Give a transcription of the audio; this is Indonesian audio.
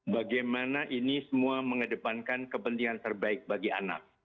bagaimana ini semua mengedepankan kepentingan terbaik bagi anak